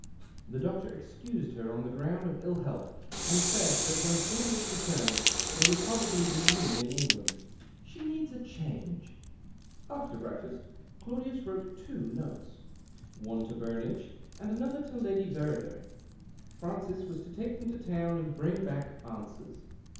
The doctor excused her on the ground of ill health, and said that when Claudius returned they would probably be leaving England. " She needs a change." After breakfast Claudius wrote two notes — one to Burnage and the other to Lady Verrider. Francis was to take them to town and l)ring back answers.